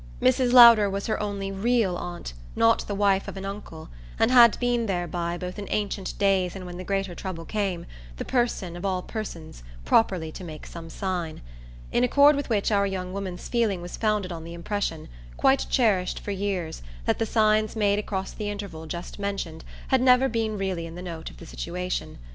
Mrs. Lowder was her only "real" aunt, not the wife of an uncle, and had been thereby, both in ancient days and when the greater trouble came, the person, of all persons, properly to make some sign; in accord with which our young woman's feeling was founded on the impression, quite cherished for years, that the signs made across the interval just mentioned had never been really in the note of the situation.